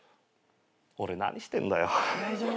俺何してんだよ。